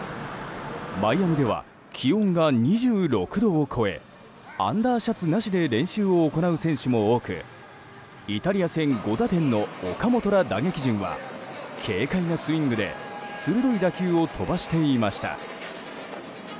マイアミでは気温が２６度を超えアンダーシャツなしで練習を行う選手も多くイタリア戦５打点の岡本ら打撃陣は軽快なスイングで鋭い打球を飛ばしていました。